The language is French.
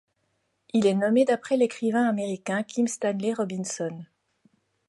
Il est nommé d'après l'écrivain américain Kim Stanley Robinson.